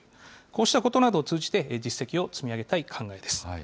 こうしたことなどを通じて、実績を積み上げたい考えです。